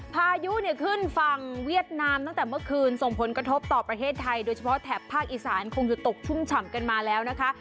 พายุเนี่ยขึ้นฝั่งเวียดนามตั้งแต่เมื่อคืนส่งผลกระทบต่อประเทศไทยโดยเฉพาะแถบภาคอีสานคงจะตกชุ่มฉ่ำกันมาแล้วนะคะ